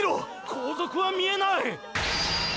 後続は見えない！！